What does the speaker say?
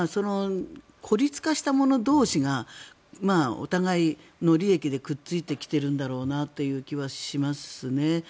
孤立化した者同士がお互いの利益でくっついてきてるんだろうなという気はしますね。